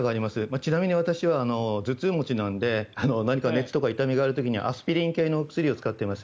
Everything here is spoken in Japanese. ちなみに私は頭痛持ちなので何か熱とか痛みが出る時はアスピリン系の薬を使っています。